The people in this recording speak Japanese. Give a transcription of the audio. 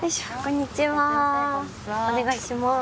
お願いします。